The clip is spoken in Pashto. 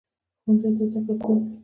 ښوونځی د زده کړې کور دی